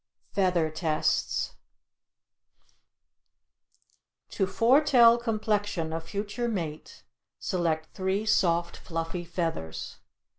FEATHER TESTS To foretell complexion of future mate, select three soft, fluffy feathers.